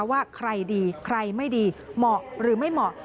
ว่าใครดีใครไม่ดีเหมาะหรือไม่เหมาะ